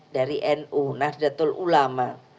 dari nu nahdlatul ulama